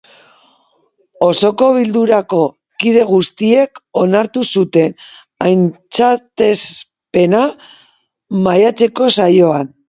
Osoko bilkurako kide guztiek onartu zuten aintzatespena, maiatzeko saioan.